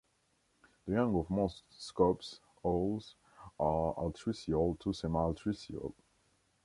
The young of most scops owls are altricial to semialtricial.